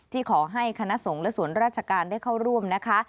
ขอให้คณะสงฆ์และส่วนราชการได้เข้าร่วมนะคะ